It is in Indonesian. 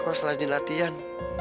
aku harus rajin latihan